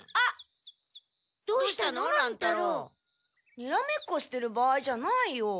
にらめっこしてる場合じゃないよ。